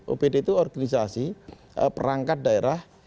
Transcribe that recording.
opd itu organisasi perangkat daerah